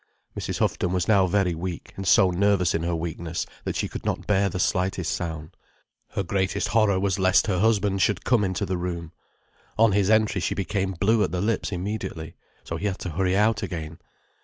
Mrs. Houghton was now very weak, and so nervous in her weakness that she could not bear the slightest sound. Her greatest horror was lest her husband should come into the room. On his entry she became blue at the lips immediately, so he had to hurry out again.